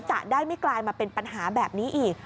จะได้ไม่กลายมาเป็นปัญหาแบบนี้อีก